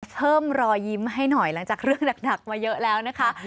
เพิ่มรอยยิ้มให้หน่อยหลังจากเรื่องหนักมาเยอะแล้วนะคะ